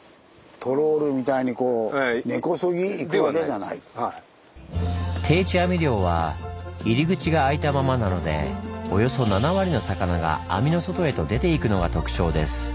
トロールみたいにこう定置網漁は入り口が開いたままなのでおよそ７割の魚が網の外へと出ていくのが特徴です。